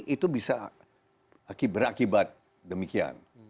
itu bisa berakibat demikian